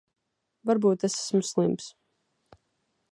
Varbūt es esmu slims.